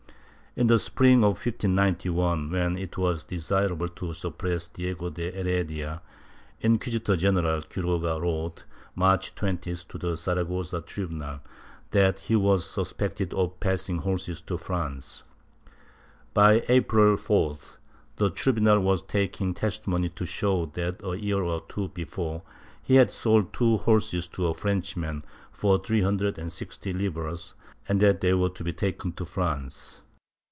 In the Spring of 1591, when it was desirable to suppress Diego de Heredia, Inquisitor general Quiroga wrote, March 20th to the Saragossa tribunal, that he was suspected of passing horses to France. By April 4th, the tribunal was taking testimony to show that, a year or two before, he had sold two horses to a French man for three hundred and sixty libras and that they were to be taken to France.